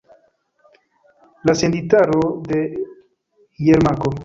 La senditaro de Jermako.